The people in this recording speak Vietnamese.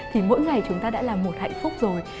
thì mỗi ngày chúng ta đã là một hạnh phúc rồi